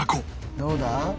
「どうだ？」